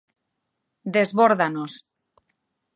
Desbórdanos.